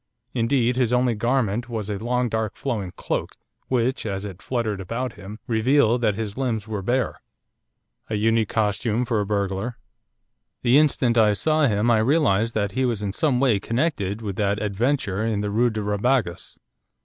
Indeed, his only garment was a long dark flowing cloak which, as it fluttered about him, revealed that his limbs were bare.' 'An unique costume for a burglar.' 'The instant I saw him I realised that he was in some way connected with that adventure in the Rue de Rabagas.